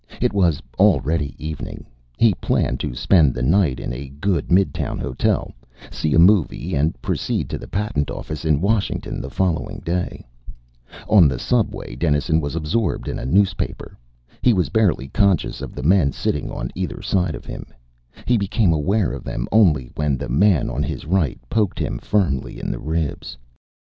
It was already evening. He planned to spend the night in a good midtown hotel, see a movie, and proceed to the Patent Office in Washington the following day. On the subway, Dennison was absorbed in a newspaper. He was barely conscious of the men sitting on either side of him. He became aware of them only when the man on his right poked him firmly in the ribs.